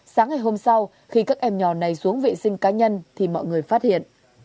sáng ngày hôm sau khi các em nhỏ này xuống vệ sinh cá nhân thì mọi người phát hiện